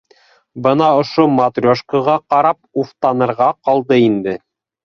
- Бына ошо матрешкаға ҡарап уфтанырға ҡалды инде.